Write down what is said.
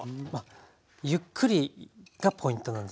ゆっくりがポイントなんですね。